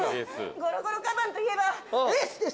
ゴロゴロカバンといえばＡＣＥです。